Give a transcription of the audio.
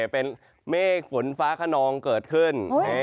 เป็นเมฆฝนฟ้าขนองเกิดขึ้น